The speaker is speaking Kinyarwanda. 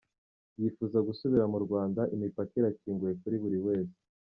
Yifuza gusubira mu Rwanda, imipaka irakinguye kuri buri wese.”